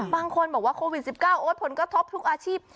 บางคนบอกว่าโควิด๑๙โอ๊ยผลกระทบทุกอาชีพ